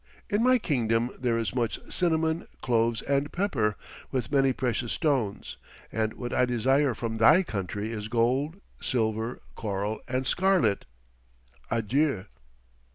In my kingdom there is much cinnamon, cloves, and pepper, with many precious stones, and what I desire from thy country is gold, silver, coral, and scarlet. Adieu."